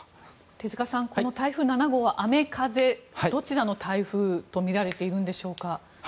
手塚さん、台風７号は雨、風どちらの台風とみられているんでしょうか？